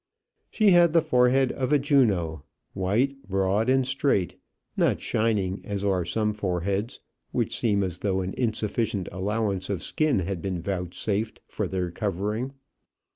She had the forehead of a Juno; white, broad, and straight; not shining as are some foreheads, which seem as though an insufficient allowance of skin had been vouchsafed for their covering.